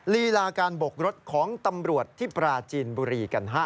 ลีลาการบกรถของตำรวจที่ปราจีนบุรีกันฮะ